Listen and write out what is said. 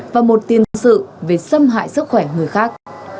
về xâm hại sức khỏe người khác